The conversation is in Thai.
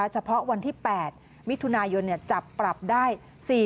เฉพาะวันที่๘มิถุนายนจับปรับได้